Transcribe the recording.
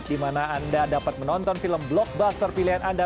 di mana anda dapat menonton film blockbuster pilihan anda